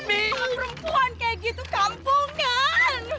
mereka perempuan kayak gitu kampungan